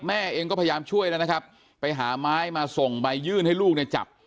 แม่เองก็พยายามช่วยแล้วนะครับไปหาไม้มาส่งใบยื่นให้ลูกเนี่ยจับ